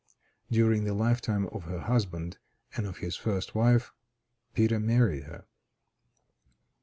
During the lifetime of her husband and of his first wife, Peter married her.